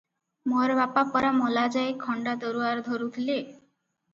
ମୋର ବାପା ପରା ମଲାଯାଏ ଖଣ୍ଡା ତରୁଆର ଧରୁଥିଲେ?"